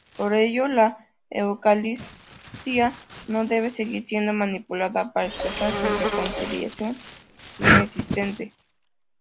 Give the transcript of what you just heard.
Por ello la Eucaristía no debe seguir siendo manipulada para expresar una reconciliación inexistente.